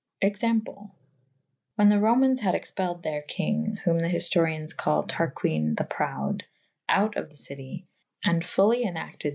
Example. Whan the Romaynes had expelled theyr kynge / whowz the hiftori cyens cal Tarquine the proude / out of the citie / and fully enacted " B.